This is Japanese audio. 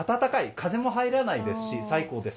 風も入らないですし最高です。